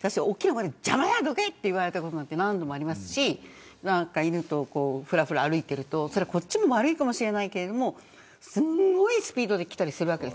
私、大きな声で邪魔だ、どけって言われたことも何度もありますし犬とふらふら歩いているとこっちも悪いかもしれないけれどすごいスピードで来たりするわけですよ。